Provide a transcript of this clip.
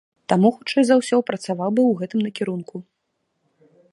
Таму, хутчэй за ўсё, працаваў бы ў гэтым накірунку.